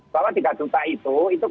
bawah tiga juta itu